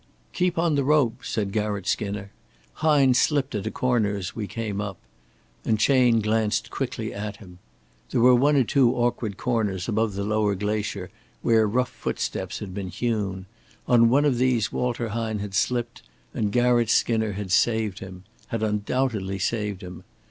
"Keep on the rope," said Garratt Skinner. "Hine slipped at a corner as we came up"; and Chayne glanced quickly at him. There were one or two awkward corners above the lower glacier where rough footsteps had been hewn. On one of these Walter Hine had slipped, and Garratt Skinner had saved him had undoubtedly saved him.